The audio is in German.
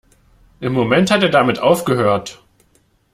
Im Moment hat er damit aufgehört!